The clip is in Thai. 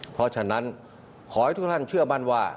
เพราะฉะนั้นขอให้ทุกท่านเชื่อมั่นว่า